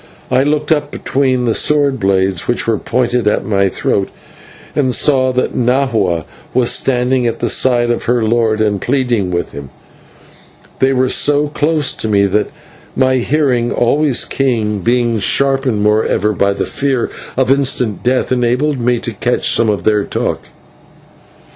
I looked up between the sword blades which were pointed at my throat, and saw that Nahua was standing at the side of her lord, and pleading with him. They were so close to me that my hearing, always keen, being sharpened moreover by the fear of instant death, enabled me to catch some of their talk.